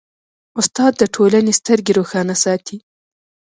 استاد د ټولنې سترګې روښانه ساتي.